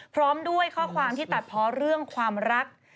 พร้อมด้วยข้อความที่ตัดเพราะเรื่องความรัก